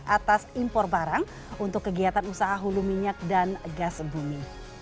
atas impor barang untuk kegiatan usaha hulu minyak dan gas bumi